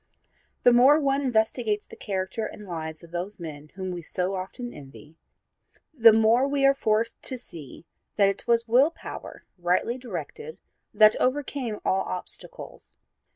The more one investigates the character and lives of those men whom we so often envy, the more we are forced to see that it was will power rightly directed that overcame all obstacles.